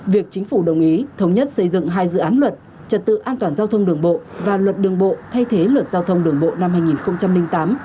việc chính phủ đồng ý thống nhất xây dựng hai dự án luật trật tự an toàn giao thông đường bộ và luật đường bộ thay thế luật giao thông đường bộ năm hai nghìn tám